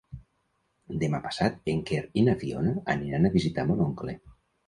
Demà passat en Quer i na Fiona aniran a visitar mon oncle.